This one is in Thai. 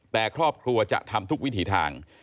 แต่ครอบครัวจะทำทุกวิถีทาง